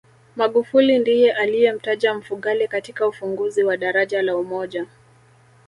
magufuli ndiye aliyemtaja mfugale katika ufunguzi wa daraja la umoja